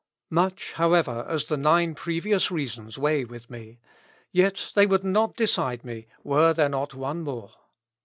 ..." Much, however, as the nine previous reasons weigh with me, yet they would not decide me were there not one more.